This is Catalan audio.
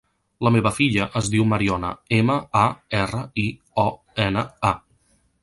La meva filla es diu Mariona: ema, a, erra, i, o, ena, a.